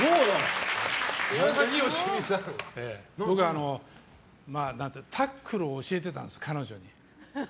僕、タックルを教えてたんです彼女に。